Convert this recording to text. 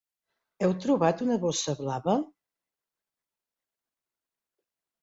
Heu trobat una bossa blava?